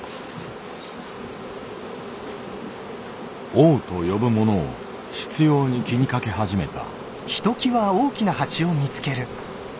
「王」と呼ぶものを執拗に気にかけ始めた。